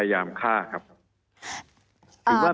มีความรู้สึกว่ามีความรู้สึกว่า